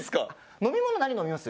飲み物何飲みます？